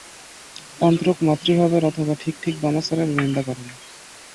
তন্ত্রোক্ত মাতৃভাবের অথবা ঠিক ঠিক বামাচারেরও নিন্দা করিনি।